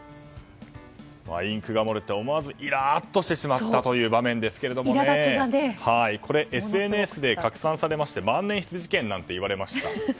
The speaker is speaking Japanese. インクが漏れて思わずイラッとしてしまったという場面ですがこれはＳＮＳで拡散されまして万年筆事件なんて言われました。